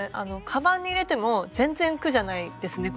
かばんに入れても全然苦じゃないですね